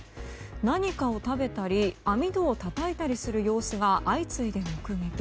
何かを食べたり網戸をたたいたりする様子が相次いで目撃。